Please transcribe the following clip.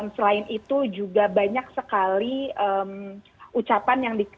selain itu juga banyak sekali ucapan yang diberikan